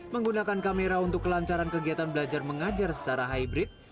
menggunakan kamera untuk kelancaran kegiatan belajar mengajar secara hybrid